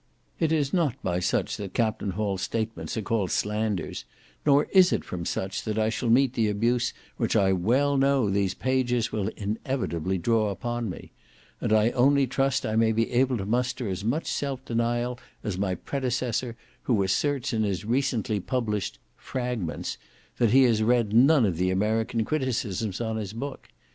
It is not by such that Captain Hall's statements are called slanders, nor is it from such that I shall meet the abuse which I well know these pages will inevitably draw upon me; and I only trust I may be able to muster as much self denial as my predecessor, who asserts in his recently published "Fragments," that he has read none of the American criticisms on his book.